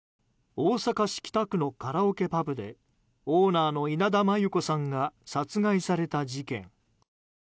大阪市北区のカラオケパブでオーナーの稲田真優子さんが殺害された事件。